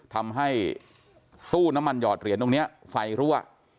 ทำให้ตู้น้ำมันหอดเหรียญตรงนี้ไฟรั่ว